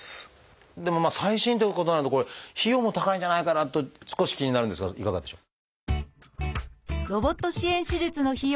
でも最新ということなのでこれ費用も高いんじゃないかなと少し気になるんですがいかがでしょう？